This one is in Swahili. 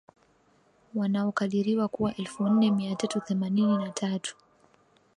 wanaokadiriwa kuwa elfu nne mia tatu themanini na tatu